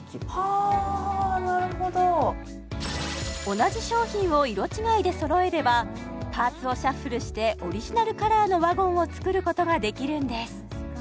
同じ商品を色違いでそろえればパーツをシャッフルしてオリジナルカラーのワゴンを作ることができるんです